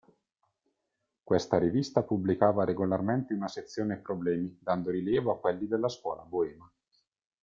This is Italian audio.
Questa rivista pubblicava regolarmente una sezione problemi dando rilievo a quelli della scuola boema.